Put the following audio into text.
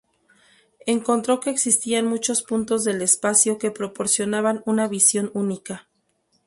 Encontró que existían muchos puntos del espacio que proporcionaban una visión única.